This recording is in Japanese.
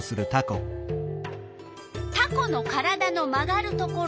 タコの体の曲がるところ。